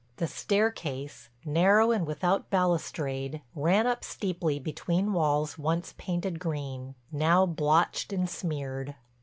The staircase, narrow and without balustrade, ran up steeply between walls once painted green, now blotched and smeared.